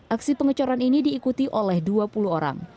aksi pengecoran ini diikuti oleh dua puluh orang